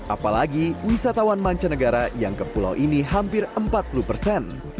apalagi wisatawan mancanegara yang ke pulau ini hampir empat puluh persen